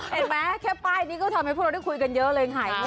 เห็นไหมแค่ป้ายนี้ก็ทำให้พวกเราได้คุยกันเยอะเลย